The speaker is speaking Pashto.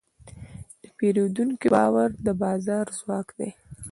د پیرودونکي باور د بازار ځواک دی.